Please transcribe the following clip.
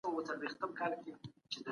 د کلي او ښار توپیر په چلند کې لیدل کیږي.